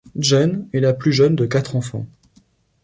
Jen est la plus jeune de quatre enfants.